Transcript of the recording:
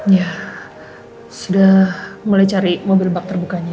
ya sudah mulai cari mobil bak terbukanya